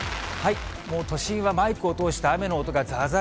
もう都心はマイクを通して雨の音がざーざー